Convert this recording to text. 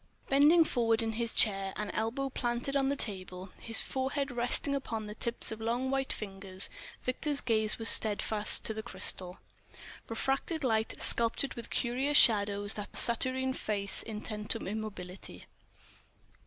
Bending forward in his chair, an elbow planted on the table, his forehead resting upon the tips of long, white fingers, Victor's gaze was steadfast to the crystal. Refracted light sculptured with curious shadows that saturnine face intent to immobility.